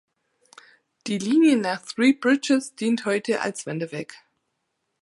Die Linie nach Three Bridges dient heute als Wanderweg.